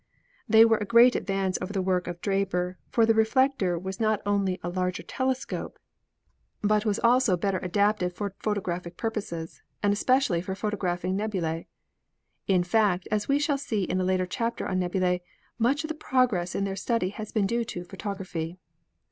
They were a great advance over the work of Draper, for the reflector was not only a larger telescope, but was ' CELESTIAL PHOTOGRAPHY 47 also better adapted for photographic purposes, and espe cially for photographing nebulae. In fact, as we shall see in a later chapter on nebulae, much of the progress in their study has been due to photography."